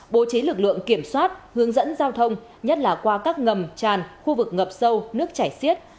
bố trí lực lượng kiểm soát hướng dẫn giao thông nhất là qua các ngầm tràn khu vực ngập sâu nước chảy xiết